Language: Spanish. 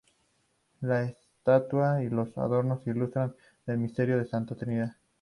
Las estatuas y los adornos ilustran el misterio de la Santa Trinidad.